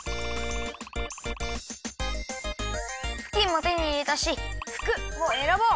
ふきんも手にいれたし「ふく」をえらぼう！